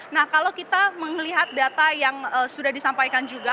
nah kalau kita melihat data yang sudah disampaikan juga